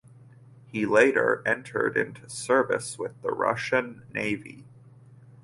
He later entered into service with the Russian Navy.